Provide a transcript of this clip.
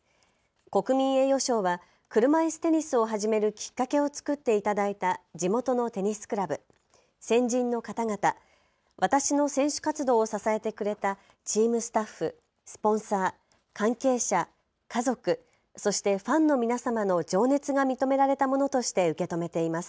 国民栄誉賞は車いすテニスを始めるきっかけを作っていただいた地元のテニスクラブ、先人の方々、私の選手活動を支えてくれたチームスタッフ、スポンサー、関係者、家族、そしてファンの皆様の情熱が認められたものとして受け止めています。